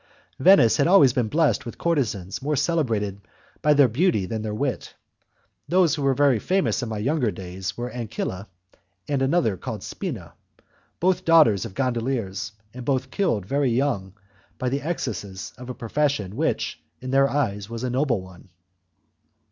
Venice has always been blessed with courtezans more celebrated by their beauty than their wit. Those who were most famous in my younger days were Ancilla and another called Spina, both the daughters of gondoliers, and both killed very young by the excesses of a profession which, in their eyes, was a noble one.